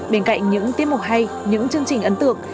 bên cạnh những tiết mục hay những chương trình ấn tượng